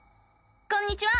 こんにちは！